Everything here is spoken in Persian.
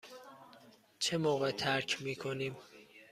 چه موقع ترک می کنیم؟